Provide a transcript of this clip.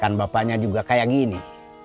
kan bapaknya juga kayak gini